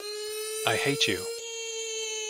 I hate you!